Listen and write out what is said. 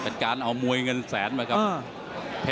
เป็นการเอามวยเงินแสนมาครับเพชรพนมรุงออกกไปค่ะ